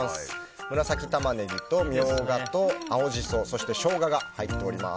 紫タマネギとミョウガと青ジソそしてショウガが入っております。